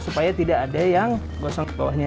supaya tidak ada yang gosong ke bawahnya